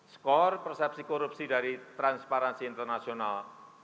skor persepsi korupsi dari transparansi internasional